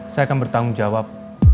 saya akan bertanggung jawab